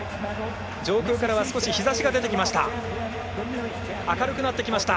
上空からは少し日ざしが出てきました。